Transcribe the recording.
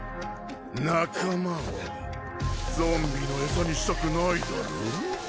仲間をゾンビの餌にしたくないだろう？